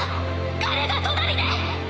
彼が隣でっ！